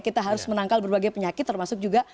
kita harus menangkal berbagai penyakit termasuk juga